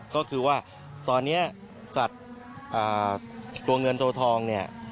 ก็คือว่าตอนนี้สัตว์ตัวเงินตัวทองเนี่ย